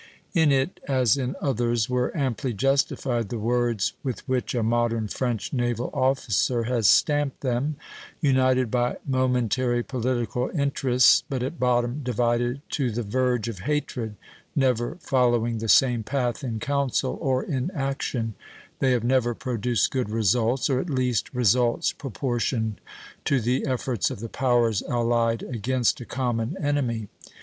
In it, as in others, were amply justified the words with which a modern French naval officer has stamped them: "United by momentary political interests, but at bottom divided to the verge of hatred, never following the same path in counsel or in action, they have never produced good results, or at least results proportioned to the efforts of the powers allied against a common enemy.